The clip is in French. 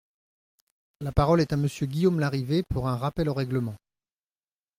La parole est à Monsieur Guillaume Larrivé, pour un rappel au règlement.